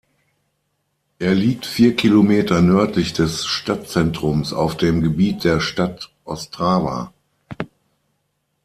Er liegt vier Kilometer nördlich des Stadtzentrums auf dem Gebiet der Stadt Ostrava.